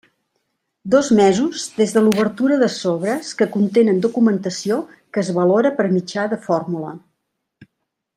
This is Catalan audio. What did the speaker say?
Dos mesos des de l'obertura de sobres que contenen documentació que es valora per mitjà de fórmula.